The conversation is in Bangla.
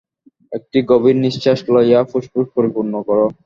একটি গভীর নিঃশ্বাস লইয়া ফুসফুস পরিপূর্ণ কর।